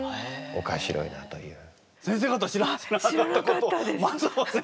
おもしろいなという。